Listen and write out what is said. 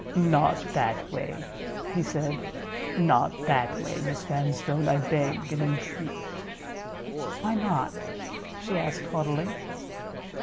"Not that way," he said; "not that way, Miss Vanstone, I beg and entreat!" "Why not?" she asked haughtily.